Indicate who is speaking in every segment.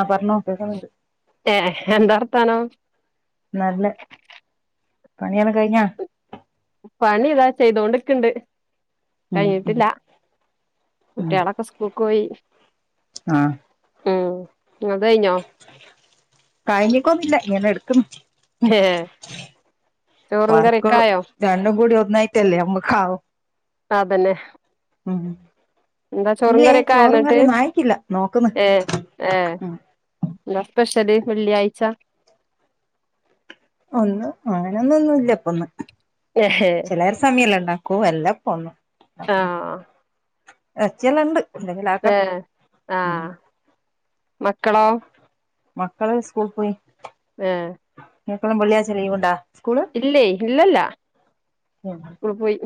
Speaker 1: ആഹ് പറഞ്ഞോ കേൾക്കുന്നുണ്ട്
Speaker 2: ഏഹ് എന്താ വർത്താനം
Speaker 1: നല്ലെ പണിയെല്ലാം കഴിഞ്ഞ
Speaker 2: പണി ഇതാ ചെയ്തോണ്ടിക്ക്‌ണ്ട്
Speaker 1: ഉം ഉം
Speaker 2: കഴിഞ്ഞിട്ടില്ല
Speaker 1: ഉം
Speaker 2: കുട്ട്യോളാക്കെ സ്കൂൾക്ക് പോയി
Speaker 1: ആഹ്
Speaker 2: ഉം ഇങ്ങൾത് കഴിഞ്ഞോ
Speaker 1: കഴിഞ്ഞിക്കൊന്നുല്ല ഇങ്ങനെ എടുക്കുന്നു
Speaker 2: ഹേ
Speaker 1: വർക്കും രണ്ടും കൂടി ഒന്നായിട്ടല്ലേ നമ്മക്കാവും
Speaker 2: അതന്നെ
Speaker 1: ഉം
Speaker 2: എന്താ ചോറും
Speaker 1: ഇല്ലേ
Speaker 2: കറിയൊക്കെ ആയൊ
Speaker 1: ചോറും
Speaker 2: ന്നിട്ട്
Speaker 1: കറിയൊന്നും ആയിട്ടില്ല നോക്കുന്ന്
Speaker 2: ഏഹ് ഈഹ്
Speaker 1: ഉം
Speaker 2: എന്താ സ്പെഷ്യല് വെള്ളിയാഴ്ച
Speaker 1: ഒന്ന് അങ്ങനൊന്നും ഒന്നുംല്ല ഇപ്പം ന്ന്
Speaker 2: ഏഹേ
Speaker 1: ല്ലാരും [unintelligible] ഇണ്ടാക്കു എല്ലാം പോന്നും
Speaker 2: ആഹ്
Speaker 1: ഇറച്ചിയെല്ലാംണ്ട്
Speaker 2: ഈഹ് ആഹ് മക്കളോ
Speaker 1: മക്കള് സ്കൂൾ പോയി
Speaker 2: ഈഹ്
Speaker 1: ഇങ്ങക്കെല്ലാം വെള്ളിയാഴ്ച്ച ലീവ് ഉണ്ട
Speaker 2: ഇല്ലേ ഇല്ലല്ല ഓൾ പോയി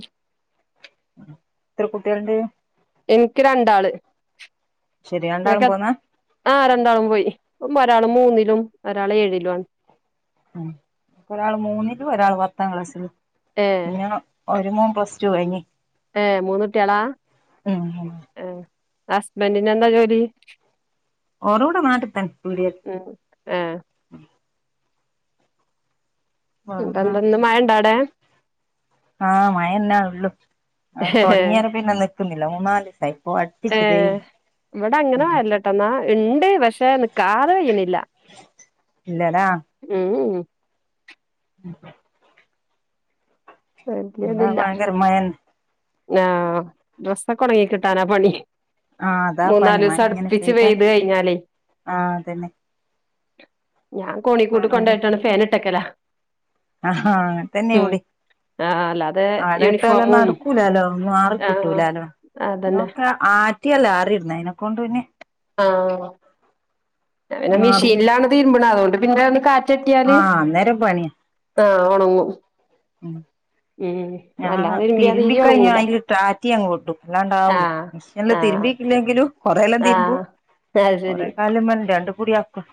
Speaker 1: എത്ര കുട്ടികളുണ്ട്
Speaker 2: എനിക്ക് രണ്ടാള്
Speaker 1: ശരി രണ്ടാളും പോവുന്നാ
Speaker 2: ആഹ് രണ്ടാളും പോയി ഒരാൾ മൂന്നിലും ഒരാൾ ഏഴിലും ആണ്
Speaker 1: ഉം ഒരാൾ മൂന്നിലും ഒരാൾ പത്താം ക്ലാസ്സിലും
Speaker 2: ഏ
Speaker 1: പിന്നാ ഒരു മോൻ പ്ലസ് ടു കഴിഞ്ഞ്
Speaker 2: ഈഹ് മൂന്ന് കുട്ടിയളാ
Speaker 1: ഉം
Speaker 2: ഏഹ് ഹസ്ബന്റിന് എന്താ ജോലി
Speaker 1: ഒര് ഇവടെ നാട്ടിൽ തന്നെ പീടിയ
Speaker 2: ഉം ഏഹ് ഇവിടെന്താന്ന് മഴണ്ടോ അവിടെ
Speaker 1: ആഹ് മഴന്നെ ഉള്ളു മഴ തുടങ്ങിയാരെ പിന്നെ നിൽക്കുന്നില്ല മൂന്നാലിസ്സായി ഇപ്പൊ അടുപ്പിച്ചു ഇതേയ്
Speaker 2: ഏഹ് ഇവിടെ അങ്ങനെ മഴല്ലട്ടോ എന്നാ ഉണ്ട് പക്ഷെ നിക്കാതെ പെയ്യ്ണില്ല
Speaker 1: ഇല്ലാല
Speaker 2: ഉം
Speaker 1: ഇവിടെ
Speaker 2: വലിയതില്ല
Speaker 1: ഭയങ്കര മഴന്നെ
Speaker 2: ആഹ് ഡ്രസ്സൊക്കെ ഉണങ്ങി കിട്ടാനാ പണി
Speaker 1: ആഹ് അതാ പണി
Speaker 2: മൂന്നാല്
Speaker 1: മഴ
Speaker 2: ദിവസം
Speaker 1: ഇങ്ങനെ
Speaker 2: അടുപ്പിച്ച്
Speaker 1: പെയ്താല്
Speaker 2: പെയ്ത് കഴിഞ്ഞാല്
Speaker 1: ആഹ് അതന്നെ
Speaker 2: ഞാൻ കോണി കൂട്ട്
Speaker 1: വേറെന്താ
Speaker 2: കൊണ്ടയിട്ടാണ്ട് ഫേൻ ഇട്ടക്കല
Speaker 1: ആഹാ അങ്ങനെ തന്നെ ഇവിടിം
Speaker 2: ആഹ് അല്ലാതെ
Speaker 1: അടെ ഇട്ടല്
Speaker 2: യൂണിഫോമും
Speaker 1: നടക്കൂലാലോ മാറി
Speaker 2: ആഹ്
Speaker 1: കിട്ടൂലാലോ
Speaker 2: അതന്നെ
Speaker 1: ആറ്റിയല്ല ആറിയിട്ന്നെ അതിനെക്കൊണ്ട് പിന്നെ
Speaker 2: ആഹ് ഞാൻ പിന്നെ
Speaker 1: മാറും
Speaker 2: മിഷീന്ലാണ് തീരുമ്പ്ണ അവോണ്ട് പിന്നെ ഒന്ന് കാറ്റട്ടിയാല്
Speaker 1: ആഹ് അന്നേരം പണിയാ
Speaker 2: ആഹ് ഒണങ്ങും
Speaker 1: ഉം
Speaker 2: ഉം
Speaker 1: ഞാൻ
Speaker 2: അല്ലാതെ തിരുമ്പിയാ തീരെ
Speaker 1: തിരുമ്പിക്കഴിഞ്ഞാ
Speaker 2: ഒണങ്ങൂല
Speaker 1: അയില്ട്ടാറ്റി [unintelligible] അല്ലാണ്ടാവൂല്ല
Speaker 2: ആഹ്
Speaker 1: മിഷല്
Speaker 2: ആഹ്
Speaker 1: തിരുമ്പി ഇല്ലെങ്കിലും കൊറേയല്ലാം തിരുമ്പും
Speaker 2: ആഹ് അത് ശരി
Speaker 1: കൊറെ കാലം [unintelligible] രണ്ട്ക്കൂടി ആക്കും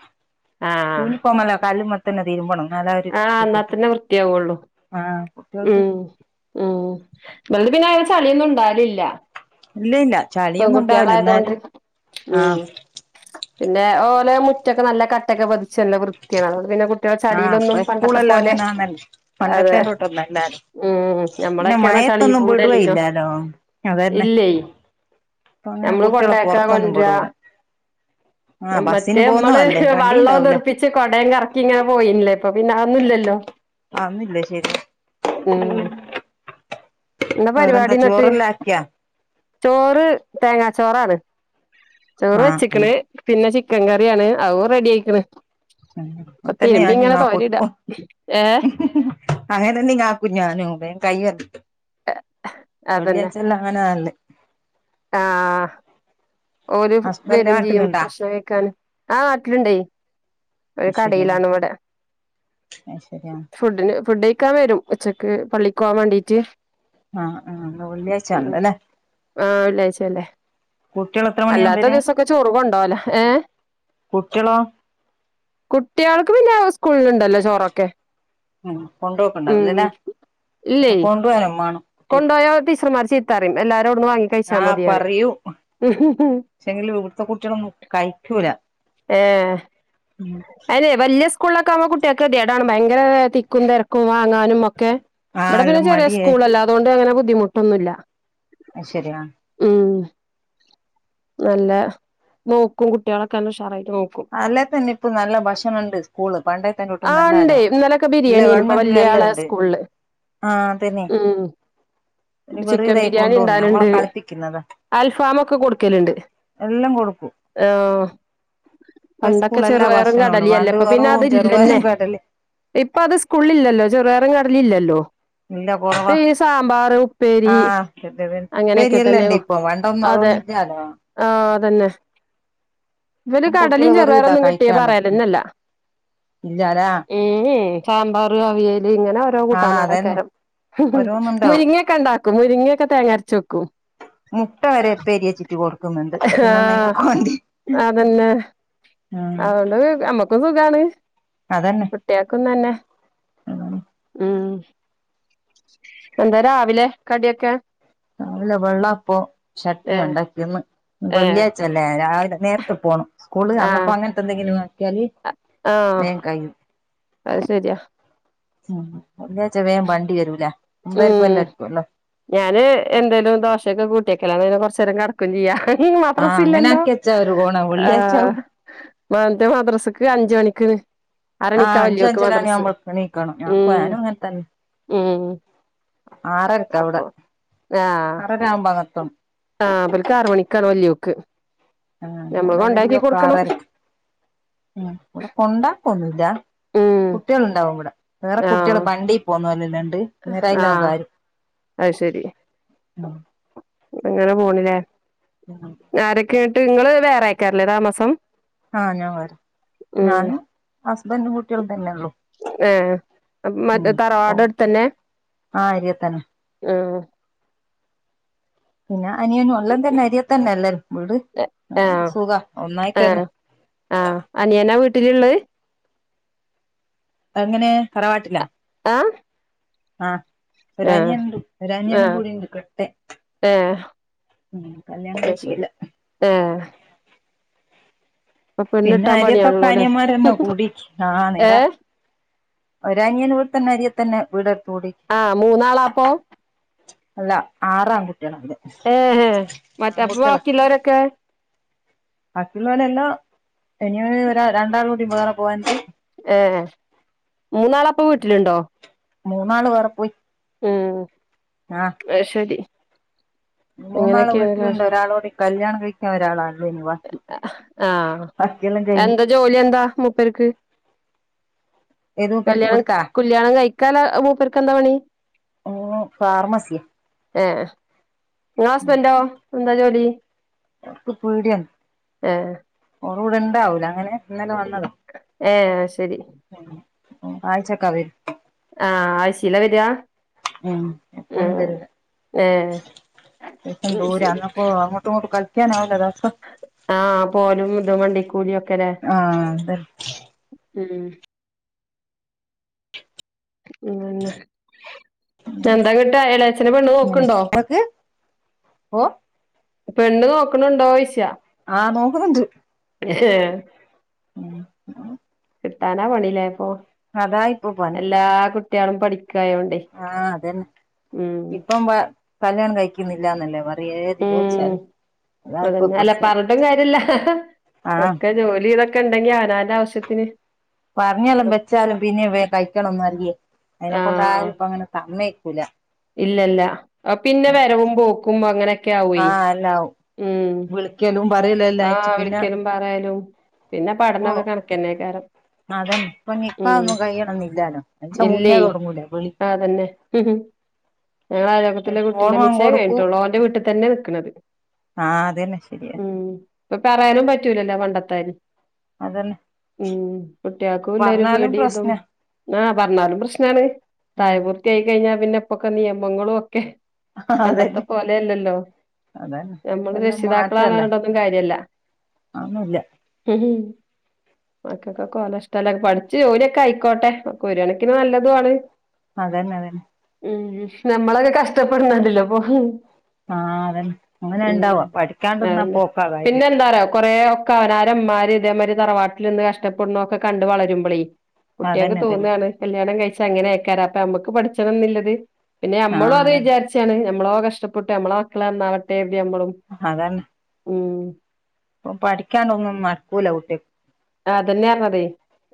Speaker 2: ആഹ്
Speaker 1: യൂണിഫോമെല്ലാ കല്ല്മ്മത്തന്നെ തിരുമ്പണം എന്നാലേ ഒരു ഇത്
Speaker 2: ആഹ്
Speaker 1: കിട്ടും
Speaker 2: ന്നാതന്നെ വൃത്തിയാവോള്ളു
Speaker 1: ആഹ് കുട്ടികൾക്ക്
Speaker 2: ഉം ഉം ഇവള്ത് പിന്നെ അയിമ്മെ ചളിയൊന്നും ഇണ്ടാവലില്ലാ
Speaker 1: ഇല്ല ഇല്ല ച
Speaker 2: പെൺകുട്ടിയളായതോണ്ട് ഉം
Speaker 1: ആഹ്
Speaker 2: പിന്നെ ഓലെ മുറ്റൊക്കെ നല്ല കട്ടക്കെ പതി ച്ച് നല്ലെ വൃത്തിയാണ് അതുകൊണ്ട് പിന്നെ കുട്ടിയള്
Speaker 1: ആഹ്
Speaker 2: ചളിയിലൊന്നും
Speaker 1: ഇപ്പ
Speaker 2: പണ്ടത്തെ
Speaker 1: സ്കൂളെല്ലാം
Speaker 2: പോലെ
Speaker 1: അങ്ങനാന്നല്ലോ
Speaker 2: അതെ
Speaker 1: പണ്ടത്തേന്റൊട്ടൊന്നല്ലാലോ
Speaker 2: ഉം
Speaker 1: പിന്നെ
Speaker 2: ഞമ്മളൊക്കേർഞ്ഞ
Speaker 1: മയത്തൊന്നും
Speaker 2: ചളിക്കൂടെല്ലേന്യോ
Speaker 1: വിടുവേയില്ലാലോ അതന്നെ
Speaker 2: ഇല്ലേ
Speaker 1: ഇപ്പൊ അങ്ങനെ
Speaker 2: ഞമ്മള്
Speaker 1: കുട്ടികളെ
Speaker 2: കൊണ്ടയാക്കാ
Speaker 1: പുറത്തൊന്നും
Speaker 2: കൊണ്ട്ര്യാ
Speaker 1: വിടൂല
Speaker 2: ആഹ്
Speaker 1: ബസ്സിന്
Speaker 2: മറ്റേമ്മള്
Speaker 1: പോവുന്നതല്ലേ വണ്ടി
Speaker 2: വള്ളോം
Speaker 1: ഉണ്ടാവൂല
Speaker 2: തെറ്പ്പി ച്ച് കൊടേം കറക്കി ഇങ്ങനെ പോയിന്ല്ലേ ഇപ്പ പിന്നെ അവൊന്നും ഇല്ലല്ലോ
Speaker 1: അവൊന്നില്ല ശരിയാ ഉം
Speaker 2: എന്താ പരിപാടി
Speaker 1: വേറെന്താ
Speaker 2: എന്നിട്ട്
Speaker 1: ചോറെല്ലാക്കിയോ
Speaker 2: ചോറ് തേങ്ങാ ചോറാണ് ചോറ്
Speaker 1: ആഹ്
Speaker 2: വെച്ച്ക്ക്ണ് പിന്നെ ചിക്കൻ കറിയാണ് അവു റെഡിയായിക്ക്ണ്
Speaker 1: ഉം അങ്ങത്തന്നെ ഞാന്
Speaker 2: ഏ
Speaker 1: [unintelligible] അങ്ങനെ തന്നെ ഇങ്ങാക്കും ഞാനും വേം കയ്യത്
Speaker 2: അതന്നെ
Speaker 1: വെള്ളിയാച്ചെല്ലാം അങ്ങനാ നല്ലേ
Speaker 2: ആഹ് ഓല് ഫു
Speaker 1: ഹസ്ബൻഡ്
Speaker 2: വെരും ചെയ്യും
Speaker 1: നാട്ടിലുണ്ടാ
Speaker 2: ഭക്ഷണം കഴിക്കാന് ആഹ് നാട്ടില്ണ്ടേ ഒരു കടേലാണ് ഇവടെ
Speaker 1: അയ് ശരി ആഹ്
Speaker 2: ഫുഡ്ന് ഫുഡഴിക്കാൻ വരും ഉച്ചക്ക് പള്ളിക്കോവാ വാണ്ടീട്ട്
Speaker 1: ആഹ് ആഹ് ഇന്ന് വെള്ളിയാഴ്ച
Speaker 2: ഉം
Speaker 1: ഉണ്ടല്ലേ
Speaker 2: ആഹ് വെള്ളിയാഴ്ചയല്ലേ
Speaker 1: കുട്ടിയളൊ
Speaker 2: അല്ലാത്ത ദിവസൊക്കെ ചോറ് കൊണ്ടോവെലാ ഏഹ്
Speaker 1: കുട്ടികളോ
Speaker 2: കുട്ട്യാൾക്ക് പിന്നെ സ്കൂള്ല് ഇണ്ടല്ലോ ചോറൊക്കെ
Speaker 1: ഉം
Speaker 2: ഉം
Speaker 1: കൊണ്ടോക്ക്ണ്ടാവില്ലല്ലെ
Speaker 2: ഇല്ലേ
Speaker 1: [unintelligible] കൊണ്ടോവേം മാണം കുട്ടിയക്ക്
Speaker 2: കൊണ്ടോയാ ടീച്ചർമാര് ചീത്തറിം എല്ലാരും അവട്ന്ന് വാങ്ങി കഴിച്ചാ
Speaker 1: ആഹ്
Speaker 2: മതി
Speaker 1: പറിയും
Speaker 2: പറയും
Speaker 1: പക്ഷേങ്കിലു ഇവ്ടുത്തെ കുട്ടിയളൊന്നും കഴിക്കൂല ഉം
Speaker 2: വല്ല്യ സ്കൂള്ലൊക്കാവുമ്പൊ കുട്ട്യാക്കെതിയേടാണ് ഭയങ്കരെ തിക്കും തെരക്കും വാങ്ങാനും ഒ ക്കെ
Speaker 1: ആഹ്
Speaker 2: ഇവടെ പിന്നെ
Speaker 1: എല്ലാം
Speaker 2: ചെറ്യെ
Speaker 1: മടിയാ
Speaker 2: സ്കൂളല്ലെ അതോണ്ട് അങ്ങനെ ബുദ്ധിമുട്ടൊന്നുല്ല
Speaker 1: അയ് ശരി ആഹ്
Speaker 2: ഉം നല്ല നോക്കും കുട്ട്യാളെക്കെ നല്ലെ ഉഷാറായിട്ട് നോ
Speaker 1: അല്ലേത്തന്നെ ഇപ്പ നല്ല ഭക്ഷണ ഇണ്ട് സ്കൂള്
Speaker 2: ആ ഇണ്ടേ
Speaker 1: പണ്ടേത്തേന്റൊട്ടുന്നല്ലാല്ലോ
Speaker 2: ഇന്നലൊക്കെ
Speaker 1: ഇല്ല
Speaker 2: ബിരിയാണിയേനു ഇപ്പൊ
Speaker 1: ഗവൺമെന്റ്ല്
Speaker 2: വല്യ ആളെ
Speaker 1: എല്ലാണ്ട്
Speaker 2: സ്കൂളില്
Speaker 1: ആഹ് തന്നെ
Speaker 2: ഉം
Speaker 1: [unintelligible]
Speaker 2: ചിക്കൻ
Speaker 1: വെറ്തായാ
Speaker 2: ബിരിയാണി
Speaker 1: കൊണ്ടോവ്ന്നേ അമ്മളെ
Speaker 2: ഇണ്ടാവലുണ്ട്
Speaker 1: കളിപ്പിക്ക്യിന്നതാ
Speaker 2: അൽഫാം ഒക്കെ കൊടുക്കലുണ്ട്
Speaker 1: എല്ലാ കൊടുക്കും
Speaker 2: ആഹ്
Speaker 1: ഇപ്പ
Speaker 2: പണ്ടൊക്കെ
Speaker 1: സ്കൂള എല്ലാ
Speaker 2: ചെറുവയറും
Speaker 1: ഭക്ഷണണ്ട്
Speaker 2: കടലിയല്ലേ
Speaker 1: പണ്ട്
Speaker 2: ഇപ്പം പിന്നെ
Speaker 1: വെറും
Speaker 2: അതില്ലന്നെ
Speaker 1: ചെറുപയറും കടല
Speaker 2: ഇപ്പ അത് സ്കൂള് ഇല്ലല്ലോ ചെറുവയറും കടലിം ഇല്ലല്ലോ
Speaker 1: ഇല്ല
Speaker 2: ഇപ്പൊ
Speaker 1: കൊറവാ
Speaker 2: ഈ സാമ്പാറ് ഉപ്പേരി അങ്ങനെയൊക്കെ
Speaker 1: പേരിയല്ല ഉണ്ട് ഇപ്പൊ വണ്ടൊന്നും അതോന്നില്ലാലോ
Speaker 2: ആ അതന്നെ ഇവര്
Speaker 1: ഇപ്പം കുട്ടികൾ
Speaker 2: കടലും
Speaker 1: വെറും ഇതാ
Speaker 2: ചെറുപയറൊന്നും കിട്ടിയ പറയലന്നല്ല
Speaker 1: ഇല്ല ലാ
Speaker 2: സാമ്പാർ അവിയല് ഇങ്ങനെ ഓരോ
Speaker 1: ആഹ്
Speaker 2: കൂട്ടാന
Speaker 1: അതന്നെ
Speaker 2: ആളക്കാരം
Speaker 1: ഓരോന്നുണ്ടാവും
Speaker 2: മുരിങ്ങയൊക്കെ ഉണ്ടാക്കും മുരിങ്ങയൊക്കെ തേങ്ങരച്ച് വെക്കും
Speaker 1: മുട്ട വരെ പെരിയ ചുറ്റി കൊടുക്കുന്നുണ്ട് പിന്നെന്തെല്
Speaker 2: ആഹ്
Speaker 1: മതി
Speaker 2: അതന്നെ അതൊണ്ട് നമ്മക്കും സുഖാണ്
Speaker 1: അതന്നെ
Speaker 2: കേക്കുന്നു തന്നെ ഉം എന്താ രാവിലെ കടിയൊക്കെ?
Speaker 1: നല്ല വെള്ളാപ്പം
Speaker 2: ഏ
Speaker 1: ചട്നിയം ഉണ്ടാക്കിന്ന്
Speaker 2: ഏ
Speaker 1: വെള്ളിയാഴ് ല്ലേ രാവിലെ നേരത്തെ പോണം സ്കൂള് അന്നപ്പോ
Speaker 2: ആഹ്
Speaker 1: അങ്ങനത്തെ എന്തെങ്കിലും നോക്കിയാല്
Speaker 2: ആഹ് അത് ശരിയാ
Speaker 1: ഉ എച്ച വേൻ വണ്ടി തരൂല മുമ്പർക്കും
Speaker 2: ഉം
Speaker 1: വല്ലക്കുംല്ലോ
Speaker 2: ഞാന് എന്തേലും ദോശയൊക്കെ കൂട്ടിയക്കലാണ് അന്നേരം കൊറച്ച് നേരം കെടക്കെം ചെയ്യാം ഇന്ന് മദ്രസ
Speaker 1: ആഹ് അങ്ങനെ
Speaker 2: ഇല്ലല്ലോ
Speaker 1: ആക്കി വെച്ചാ ഒരു ഗുണാ വെള്ളിയാഴ്ച
Speaker 2: ഏഹ
Speaker 1: ആവുമ്പോ
Speaker 2: മാനന്ത് മദ്രസക്ക് അഞ്ച് മണിക്ക് അരണിക്ക
Speaker 1: ആഹ് അഞ്ച്
Speaker 2: വല്യോക്ക് മദ്രസ്
Speaker 1: അഞ്ചരാണിയാവുമ്പോ എണീക്കണം
Speaker 2: ഉം
Speaker 1: ഞാക്കും ഞാനും
Speaker 2: ഉം
Speaker 1: ആറരക്ക അവിടെ
Speaker 2: അപ്പൊ
Speaker 1: ആറര ആവുമ്പോ അങ്ങ് എത്തും
Speaker 2: ആവർക്ക് ആറ് മണിക്കാണ് വല്യോക്ക്
Speaker 1: ആഹ
Speaker 2: ഞമ്മള്
Speaker 1: അവിടെ വലിയ
Speaker 2: കൊണ്ടാക്കി കൊടുക്കണം
Speaker 1: പാറനെ ഉം ഇവിടെ കൊണ്ട് ആക്കുലാ
Speaker 2: ഉം
Speaker 1: കുട്ടികൾ ഉണ്ടാവും ഇവിടെ വേറെ കുട്ടികൾ
Speaker 2: ആഹ്
Speaker 1: വണ്ടി പോന്നല്ലല്ലണ്ട് അന്നേം
Speaker 2: ആഹ്
Speaker 1: അതില്ലയം
Speaker 2: അത് എങ്ങട് പോണില്ലേ
Speaker 1: ഉം
Speaker 2: ആരൊക്കെയെട്ട് നിങ്ങള് വേറെക്കെഅല്ലേ താമസം
Speaker 1: ആഹ് ഞാനും വരാ
Speaker 2: ഉം
Speaker 1: ഞാനും ഹസ്ബൻറും കുട്ടികളും തന്നെള്ളു
Speaker 2: ഏഹ്
Speaker 1: ഉ
Speaker 2: മറ്റേ
Speaker 1: ഓ
Speaker 2: തറവാട്
Speaker 1: ആ അരിയ തന്നെ
Speaker 2: ആഹ്
Speaker 1: പിന്നെ അനിയനും എല്ലം തന്നെ അരിയ തന്നെ അല്ലും വീട് അങ്ങാട്ട്
Speaker 2: ആഹ്
Speaker 1: പോക ഒന്നായിട്ടാ തന്നെ
Speaker 2: ആഹ് ആഹ് അനിയനാ വീട്ടിലുള്ളത്
Speaker 1: അ അങ്ങനെ തറവാട്ടിലാ
Speaker 2: എഹ്
Speaker 1: ആഹ് ഒരു അനിയൻ ഉണ്ട് ഒരു അനിയൻ
Speaker 2: ആഹ്
Speaker 1: കൂടിയുണ്ട് കേട്ടെ
Speaker 2: ഏഹ്
Speaker 1: ഉം കല്യാണം കഴിച്ചിക്കില്ല
Speaker 2: ആഹ്
Speaker 1: പിന്നെ
Speaker 2: പെണ്ണിട്ടാൻ
Speaker 1: അര്യത്തൊക്കെ
Speaker 2: പണിയാണല്ലോല്ലേ
Speaker 1: അനിയന്മാരന്നോ കൂടി ആ നേരാ
Speaker 2: ഏഹ്
Speaker 1: ഒരു അനിയൻ ഇവിടെ തന്നെ അരിയെ തന്നെ വീടെടുത്ത്കൂടി
Speaker 2: ആഹ് മൂന്നാളാപ്പൊ
Speaker 1: അല്ല ആറ് ആൺ കുട്ടികളുണ്ട്
Speaker 2: ഏഹ മറ്റ് അപ്പം ബാക്കി യുളളരൊക്കെ
Speaker 1: ബാക്കിയുള്ള എല്ലാം ഇനി ഒ രണ്ടാൾ കൂടി വേറെ പോകാനുണ്ട്
Speaker 2: ഏ മൂന്നാളപ്പം വീട്ടിലുണ്ടോ?
Speaker 1: മൂന്നാള് വേറെ പോയി
Speaker 2: ഉം
Speaker 1: ആഹ്
Speaker 2: അയി ശെരി
Speaker 1: മൂന്നാള് വീട്ടിലുണ്ട് ഒരാളോൂടി കല്യാണം കഴിക്കാൻ ഒരാളാണ്
Speaker 2: ആഹ്
Speaker 1: ബാക്കിയെല്ലാം കഴിഞ്ഞ്
Speaker 2: എന്താ ജോലി എന്താ മുപ്പേർക്ക്
Speaker 1: ഏത് മൂപ്പർക്ക്
Speaker 2: കല്യാണം
Speaker 1: ഇവിടുത്താ
Speaker 2: കല്യാണം കഴിക്കാന് മൂപ്പേർക്ക് എന്താ പണി
Speaker 1: ഓന് ഫാർമസിയാ
Speaker 2: ഏഹ നിങ്ങള് ഹസ്ബന്റോ എന്താ ജോലി
Speaker 1: പീടിയം
Speaker 2: ആഹ്
Speaker 1: റൂടെ ഉണ്ടാവൂല അങ്ങനെ ഇന്നലെ വന്നത
Speaker 2: ഏഹ് ശെരി
Speaker 1: ഉം ആയ്ച്ചക്കാ വര്
Speaker 2: ആഹ് ആഴ്ച്ചീലാ വരാ
Speaker 1: ഉം എപ്പൊ ഒന്നും വരൂല.
Speaker 2: ഏഹ്
Speaker 1: പെട്ടെന്ന്
Speaker 2: ഉം
Speaker 1: ദൂര
Speaker 2: ശരി
Speaker 1: അപ്പോ അങ്ങോട്ടും ഇങ്ങോട്ടും കളി കളിക്കാനാവൂല ദിവസം
Speaker 2: ആഹ് പോഅലും ഇതും വണ്ടിക്കൂലിയൊക്കെ
Speaker 1: ആഹ് തെ
Speaker 2: ഉം ഉം അയന്നെ എന്താങ്ങട്ട് എളേച്ഛന് പെണ്ണ്
Speaker 1: അങ്ങനെ
Speaker 2: നോക്ക്‌ണ്ടോ
Speaker 1: ഇങ്ങക്ക് ഓ
Speaker 2: പെണ്ണ് നോക്ക്‌ണുണ്ടോയ്ച്ച
Speaker 1: ആഹ് നോക്കുന്നുണ്ട് ഉം
Speaker 2: കിട്ടാനാ പണി ല്ലേ ഇപ്പൊ
Speaker 1: അതാ ഇപ്പൊ പണി
Speaker 2: എല്ലാ കുട്ടിയേളും പഠിക്കായോണ്ടെയ്
Speaker 1: ആഹ് അതന്നെ ഇപ്പം കല്യാണം കഴിക്കുന്നില്ലാന്നല്ലേ പറ
Speaker 2: ഉം
Speaker 1: [unintelligible] അതാ ഇപ്പൊ
Speaker 2: അതന്നെ അല്ല
Speaker 1: പ്രശ്നം
Speaker 2: പറഞ്ഞിട്ടും കാര്യല്ല
Speaker 1: ആഹ്
Speaker 2: ഒക്കെ ജോലി ഇതൊക്കെണ്ടെങ്കി അവനാന്റെ ആവശ്യത്തിന്
Speaker 1: പറഞ്ഞാലും വെച്ചാലും പിന്നെ വേം കഴിക്കണംന്ന് അറിയേ
Speaker 2: ആഹ്
Speaker 1: അയ്നെക്കൊണ്ടാരും ഇപ്പങ്ങനെ സമ്മെയ്ക്കൂല
Speaker 2: ഇല്ലല്ല പിന്നെ വരവും പോക്കും അങ്ങനെ ഒക്കെയാവൊയ്
Speaker 1: ആഹ് എല്ലാവും
Speaker 2: ഉം
Speaker 1: വിളിക്കലും പറയലും എല്ലാം ആയിട്ട്
Speaker 2: ആഹ്
Speaker 1: പിന്നെ
Speaker 2: വിളിക്കലും പറയലും പിന്നെ പഠനൊക്കെ കണക്കന്നേക്കാരം
Speaker 1: അതെ ഇപ്പൊ നിക്കാഹൊന്നും കയ്യണംന്നില്ലാലോ അയിന്റെ മുന്നേ
Speaker 2: ഇല്ലേ
Speaker 1: തൊടങ്ങൂലേ വിളി
Speaker 2: അതന്നെ ഞങ്ങളയലോക്കത്ത്ല്ല കുട്ടിന്റെ
Speaker 1: ഫോണും അങ്ങ്
Speaker 2: നിശ്ചയം
Speaker 1: കൊടുക്കൂ
Speaker 2: കയിഞ്ഞിട്ടൊള്ളൂ ഓന്റെ വീട്ടിത്തന്നെ നിക്ക്‌ണത്
Speaker 1: ആഹ് അതന്നെ ശരിയ
Speaker 2: ഉം ഇപ്പൊ പറയാനും പറ്റൂലല്ലോ പണ്ടത്തെയാരി
Speaker 1: അതന്നെ
Speaker 2: ഉം കുട്ടിയാൾക്കും ഇല്ലരു
Speaker 1: പറഞ്ഞാലും
Speaker 2: പേടി ഇതും
Speaker 1: പ്രശ്നാ
Speaker 2: ആഹ് പറഞ്ഞാലും പ്രശ്നാണ്.
Speaker 1: ഉം
Speaker 2: പ്രായപൂർത്തിയായി കഴിഞ്ഞാ പിന്നെ ഇപ്പൊക്കെ നിയമങ്ങളും ഒക്കെ പണ്ടത്തെ
Speaker 1: അതന്നെ
Speaker 2: പോലെ അല്ലല്ലോ
Speaker 1: അതന്നെ
Speaker 2: ഞമ്മള്
Speaker 1: ഇപ്പെല്ലാം
Speaker 2: രക്ഷിതാക്കളാണറഞ്ഞ്ട്ടൊന്നും കാര്യല്ല
Speaker 1: അഒന്നുല്ല
Speaker 2: [inaudible] മക്കക്കൊക്കെ ഓലെഷ്ട്ടല്ലേ പഠിച്ച് ജോലിയൊക്കെ ആയിക്കോട്ടെ. ഒക്കെ ഒരു കണക്കിന് നല്ലതു ആണ്
Speaker 1: അതന്നെ അതന്നെ
Speaker 2: ഉം നമ്മളൊക്കെ കഷ്ടപ്പെടുന്നുണ്ടല്ലോ ഇപ്പൊ
Speaker 1: ആഹ് അതന്നെ അങ്ങനെ
Speaker 2: ഉം
Speaker 1: ഇണ്ടാവ. പഠിക്കാണ്ട്ന്നാ പോക്കാ കാര്യം
Speaker 2: കൊറെേ ഒക്കെ അവനാരെമ്മാര് ഇതേമാതിരി തറവാട്ടിലിന്ന് കഷ്ടപ്പെട്നതൊക്കെ കണ്ട് വളരുമ്പളെയ് കുട്ടിയാൾക്ക്
Speaker 1: അതന്നെ അതന്നെ
Speaker 2: തോന്നാണ് കല്യാണം കഴിച്ച അങ്ങനെയാക്കാരം അപ്പൊ യമ്മക്ക് പഠിച്ചണംന്നില്ലത് പിന്നെ യമ്മളും
Speaker 1: ആഹ്
Speaker 2: അത്
Speaker 1: അതന്നെ
Speaker 2: വിചാരിച്ചാണ് ഞമ്മളോ കഷ്ടപ്പെട്ട് യമ്മള മക്കളന്നാവട്ടെ കര്തി യമ്മളും
Speaker 1: അതന്നെ
Speaker 2: ഉം
Speaker 1: ഇപ്പൊ പഠിക്കാനൊന്നും മറക്കൂല [unintelligible]
Speaker 2: അതന്നെയാർഞ്ഞതെ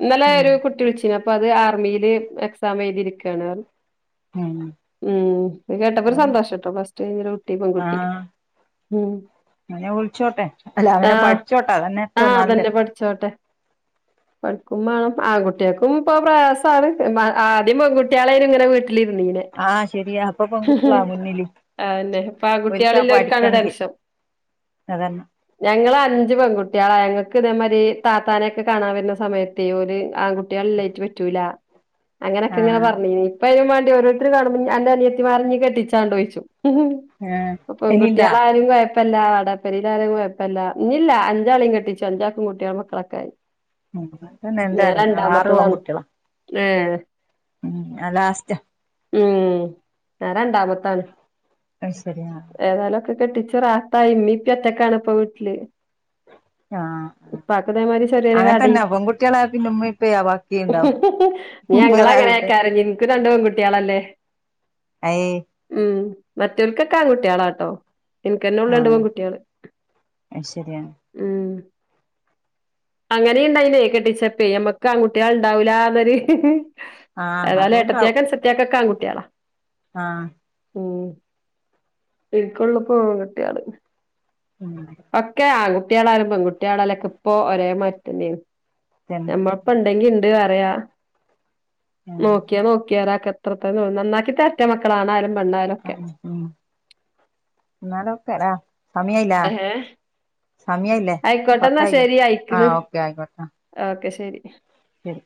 Speaker 2: ഇന്നലെ
Speaker 1: ഉം
Speaker 2: ഒരു കുട്ടി വിളിച്ചീന്നു അപ്പൊ അപ്പൊ അത് ആർമീല് എക്സാം എഴുതിരിക്കാണാർഞ്ഞു
Speaker 1: ഉം
Speaker 2: ഉം അഹ് കേട്ടപ്പൊ ഒരു
Speaker 1: അതന്നെ
Speaker 2: സന്തോഷംട്ടോ പ്ലസ് ടു കയിഞ്ഞൊരു കുട്ടി പെങ്കുട്ടി ഉം
Speaker 1: അങ്ങനെ വിളിച്ചോട്ടെ അല്ല അങ്ങനെ പഠിച്ചോട്ടെ അതന്നെ ഏറ്റോം നല്ല
Speaker 2: തന്നെ പഠിച്ചോട്ടെ പഠിക്കൂം മാണം ആൺകുട്ടിയേൾക്കും ഇപ്പൊ പ്രയാസാണ് ആദ്യം പെൺകുട്ടിയാര്ന്നു ഇങ്ങനെ വീട്ട് ട്ടിലിരുന്നീന്
Speaker 1: ആഹ് ശെരിയാ ഇപ്പ പെൺകുട്ടിയാള മുന്നില്
Speaker 2: അതന്നെ ഇപ്പൊ
Speaker 1: ഓൽക്കാ
Speaker 2: ആൺകുട്ടികളില്ലോർക്കാണ്
Speaker 1: പഠിക്കണ്ടേയ്
Speaker 2: ടെൻഷൻ
Speaker 1: അതന്നെ
Speaker 2: ഞങ്ങള് അഞ്ച് പെൺകുട്ടിയളാ ഞങ്ങക്ക് ഇതേമാരി താത്താരേ ക്കെ കാണാൻ വരുന്ന സമയ- ത്തെയ് ഓല് ആൺ കുട്ടിയേളില്ലായിട്ട് പറ്റൂല അങ്ങനെയൊക്കെ ഇങ്ങനെ
Speaker 1: ആഹ്
Speaker 2: പറഞ്ഞീനി ഇപ്പൊ അയിനും വാണ്ടി ഓരോ മൂപ്പര് കാണുമ്പോൾ അന്റെ അനിയത്തിമാരെ ഞ്ഞ് കെട്ടിച്ചാണ്ടൊ ചോയ്ച്ചും
Speaker 1: ആഹ്
Speaker 2: പ്പ പെൺ
Speaker 1: ഇനിണ്ടാ
Speaker 2: കുട്ടികളായാലും കോയപ്പ പ്പെല്ലാ വാടക പേരേലായാലും കൊഴപ്പല്ല ഇഞ്ഞില്ല അഞ്ചാളേം കെട്ടിച്ചു അഞ്ചാക്കും കൂട്ട്യോളും മക്കളൊക്കായി
Speaker 1: [unintelligible] ഞങ്ങള് ആറ് പെൺകുട്ട്യോളാ
Speaker 2: ഏഹ്
Speaker 1: ആഹ് ലാസ്റ്റാ
Speaker 2: ഉം ഞാൻ രണ്ടാമെത്താണ്
Speaker 1: അത് ശരിയാ
Speaker 2: ഏതായാലൊക്കെക്കെട്ടിച്ച് റാഹതായി ഇമ്മീം ഇപ്പിം ഒറ്റക്കാണ് ഇപ്പൊ വീട്ടില്
Speaker 1: ആഹ്
Speaker 2: പാക്ക്തെമാരി ചെറിയൊരു
Speaker 1: അങ്ങനെ തന്നെ
Speaker 2: കടേം
Speaker 1: പെൺകുട്ടികളെ പിന്നെ ഉമ്മേം ഉപ്പേം ബാക്കി ഇണ്ടാവും
Speaker 2: ഇഞ്ഞ് ഞങ്ങൾ
Speaker 1: വേറെ ആരുണ്ട്
Speaker 2: അങ്ങനെക്കാരം ഇഞ്ഞ് ഇൻക്ക് രണ്ട് പെൺകുട്ടിയോളല്ലേ
Speaker 1: അയേ
Speaker 2: ഉം മറ്റൊൽക്കൊക്കെ ആൺ കുട്ടിയോളാട്ടോ എനിക്കെന്നെ ഉള്ളു രണ്ട്
Speaker 1: ആഹ്
Speaker 2: പെൺ കുട്ട്യോള്
Speaker 1: അത് ശരിയാണ്
Speaker 2: ഉം അങ്ങേനിം ഇണ്ടായ്നെ കെട്ടിച്ചെപ്പേ നമ്മക്ക് ആൺകുട്ടികൾ ഉണ്ടാവൂലാന്നൊരു
Speaker 1: ആഹ്
Speaker 2: ഏതായാലും
Speaker 1: അതുണ്ടാവും
Speaker 2: ഏട്ടത്തിയാക്കു സത്യാക്കൊക്കെ ആൺകുട്ടിയോളാ
Speaker 1: ആഹ്
Speaker 2: ഉം എനിക്കുള്ളു ഇപ്ഫൊ മൂന്ന്ട്ട്യേള്
Speaker 1: ഉം
Speaker 2: ഒക്കെ ആൺകുട്ടികളാരും പെൺകുട്ടികളല്ലൊക്കെ ഇപ്പോ ഒരേമാരി തന്നെയാണ്
Speaker 1: തന്നെ
Speaker 2: നമ്മ ഇപ്പണ്ടെങ്കിണ്ട് പറയാം
Speaker 1: ഉം
Speaker 2: നോക്കിയാ നോക്കി അത്രതെന്നൊള്ളു നന്നാക്കി തെരട്ടെ മക്കളാണായാലും പെണ്ണായാലും ഒക്കെ
Speaker 1: ഉം ഉം എന്നതോക്കെ സമയായില്ലെ സമയ ഇല്ലേ
Speaker 2: ആയിക്കോട്ടെന്നാ
Speaker 1: പത്തായില്ല
Speaker 2: ശരി അയിക്കണ്
Speaker 1: ആഹ് ഓക്കെ ആയിക്കോട്ടെ
Speaker 2: ഓക്കെ ശെരി
Speaker 1: ശെരി